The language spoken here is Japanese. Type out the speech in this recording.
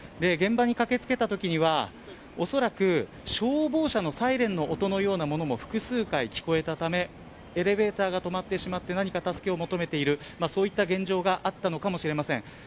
現場に駆けつけたときにはおそらく消防車のサイレンの音のようなものも複数回聞こえたためエレベーターが止まり助けを求めているそういった現状があったのかもしれません。